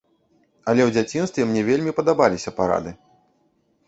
Але ў дзяцінстве мне вельмі падабаліся парады.